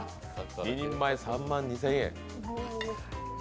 ２人前、３万２０００円。